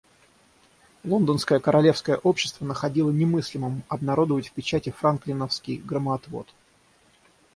Лондонское Королевское общество находило немыслимым обнародовать в печати Франклиновский громоотвод.